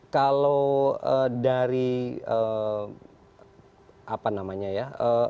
kalau dari apa namanya ya